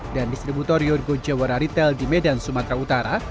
dan distributor yorgo jawara retail di medan sumatera utara